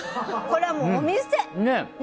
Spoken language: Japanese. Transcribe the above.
これはもうお店！